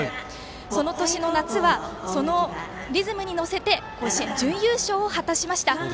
その年の夏はそのリズムに乗せて甲子園準優勝を果たしました。